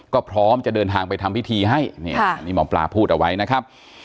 ก็พร้อมจะเดินทางไปทำพิธีให้นี่หมอปลาพูดเอาไว้นะครับ